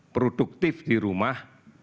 produktif di rumah